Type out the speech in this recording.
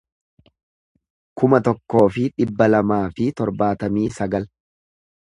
kuma tokkoo fi dhibba lamaa fi torbaatamii sagal